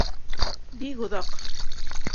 Бик оҙаҡ.